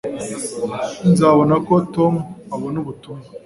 nzabona ko tom abona ubutumwa